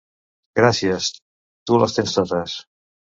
Gràcies! / —Tu les tens totes!